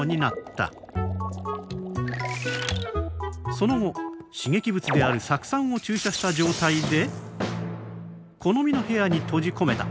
その後刺激物である酢酸を注射した状態で好みの部屋に閉じ込めた。